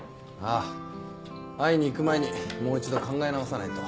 ああ会いに行く前にもう一度考え直さないと。